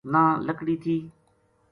نہ لکڑی تھی